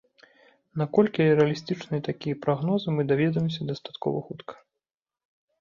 Наколькі рэалістычныя такія прагнозы, мы даведаемся дастаткова хутка.